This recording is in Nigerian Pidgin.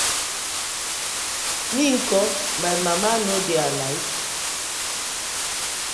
Mi nko, my mama no dey alife?